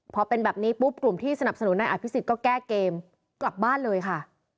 พอเป็นแบบนี้ปุ๊บกลุ่มที่สนับสนุนนายอภิษฎก็แก้เกมกลับบ้านเลยค่ะ